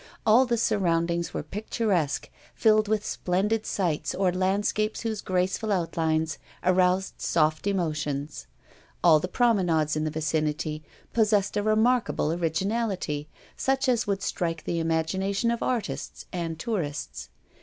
All the surroundings were picturesque, filled with splendid sites or landscapes whose graceful outlines aroused soft emotions. All the promenades in the vicinity possessed a remarkable originality, such as would strike the imagination of artists and tourists.